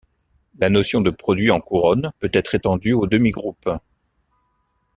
La notion de produit en couronne peut être étendue aux demi-groupes.